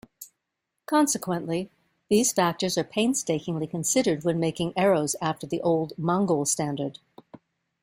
Consequently, these factors are painstakingly considered when making arrows after the Old Mongol standard.